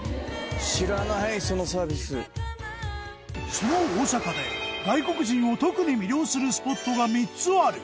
その大阪で外国人を特に魅了するスポットが３つある。